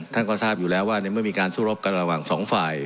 ท่านก็ทราบอยู่แล้วว่าในเมื่อมีการสู้รบกันระหว่างสองฝ่าย